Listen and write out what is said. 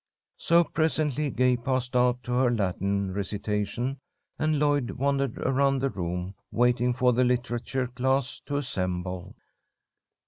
So presently Gay passed out to her Latin recitation, and Lloyd wandered around the room, waiting for the literature class to assemble.